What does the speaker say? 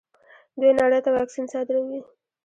دوی نړۍ ته واکسین صادروي.